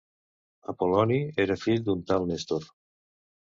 Apol·loni era fill d'un tal Néstor.